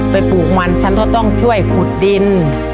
ปลูกมันฉันก็ต้องช่วยขุดดิน